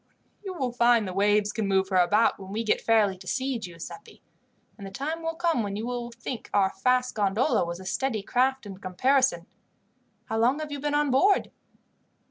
"You will find the waves can move her about when we get fairly to sea, Giuseppi, and the time will come when you will think our fast gondola was a steady craft in comparison. How long have you been on board?"